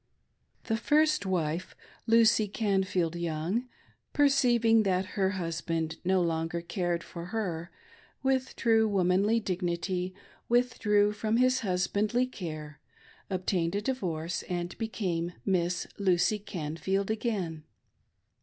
, The first wife — Lucy Canfield Young — perceiving that her husband no longer cared for her, with true womanly dignity withdrew from his husbandly care, obtained a divorce, and became "Miss" Lucy Canfield again.